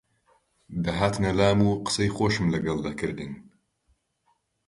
دەهاتنە لام و قسەی خۆشم لەگەڵ دەکردن